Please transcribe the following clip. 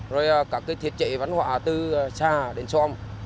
rồi các thiệt trị văn hóa từ xa đến xong